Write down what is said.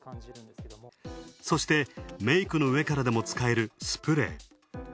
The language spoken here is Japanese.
そして、メイクの上からでも使えるスプレー。